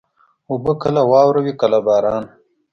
اوبه کله واوره وي، کله باران.